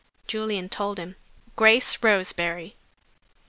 Julian told him. "GRACE ROSEBERRY."